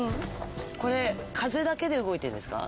これ風だけで動いてるんですか？